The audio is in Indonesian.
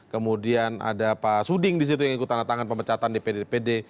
kemudian ada pak suding disitu yang ikut tanda tangan pemecatan di pd pd